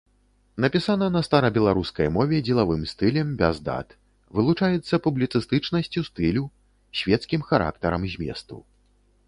Напісана на старабеларускай мове дзелавым стылем без дат, вылучаецца публіцыстычнасцю стылю, свецкім характарам зместу.